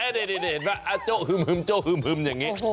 เอ๊ะนี่นะโจ๊ะฮึ่มโจ๊ะฮึ่มอย่างนี้